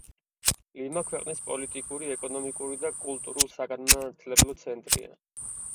ლიმა ქვეყნის პოლიტიკური, ეკონომიკური და კულტურულ-საგანმანათლებლო ცენტრია.